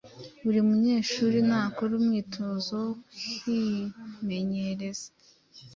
Buri munyeshuri nakore umwitozo wo kwimenyereza